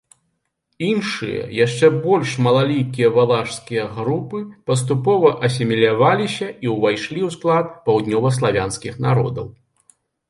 Іншыя, яшчэ больш малалікія валашскія групы паступова асіміляваліся і ўвайшлі ў склад паўднёваславянскіх народаў.